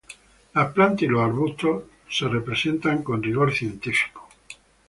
Las plantas y los arbustos son representados con rigor científico.